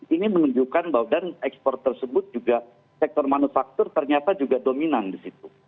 ini menunjukkan bahwa dan ekspor tersebut juga sektor manufaktur ternyata juga dominan di situ